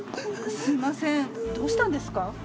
すいませんどうしたんですか？